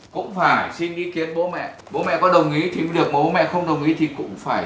con mang laptop đi đâu đấy